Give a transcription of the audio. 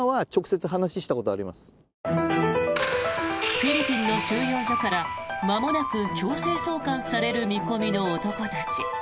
フィリピンの収容所からまもなく強制送還される見込みの男たち。